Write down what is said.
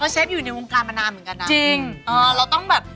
เชฟอยู่ในวงการมานานเหมือนกันนะจริงเออเราต้องแบบ